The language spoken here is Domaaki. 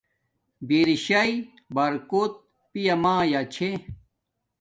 برشاݵݵ برکوت پیا مایا چھے